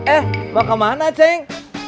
eh mau kemana ceng